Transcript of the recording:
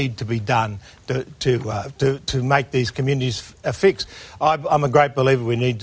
dan membawa semua sisi bersama agar kita mulai melihat